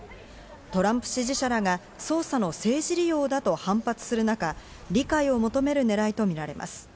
トランプ支持者らが捜査の政治利用だと反発する中、理解を求めるねらいとみられます。